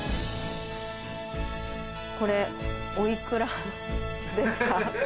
これお幾らですか？